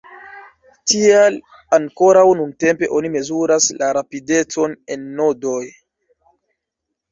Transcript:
Tial ankoraŭ nuntempe oni mezuras la rapidecon en nodoj.